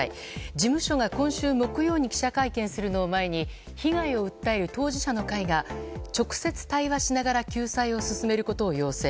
事務所が今週木曜日に記者会見するのを前に被害を訴える当事者の会が直接対話しながら救済を進めることを要請。